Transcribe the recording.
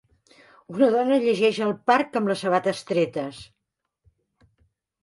Una dona llegeix al parc amb les sabates tretes.